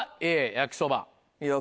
焼きそばＡ。